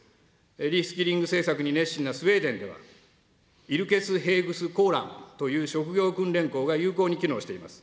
リスキリング政策に熱心なスウェーデンでは、イルケスヘーグスコーランという職業訓練校が有効に機能しています。